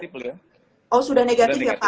oh sudah negatif ya pak